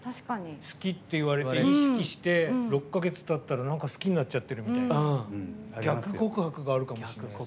好きって言われて、意識して６か月たったら好きになっちゃってるみたいな逆告白があるかもしれない。